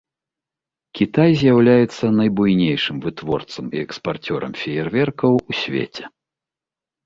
Кітай з'яўляецца найбуйнейшым вытворцам і экспарцёрам феерверкаў у свеце.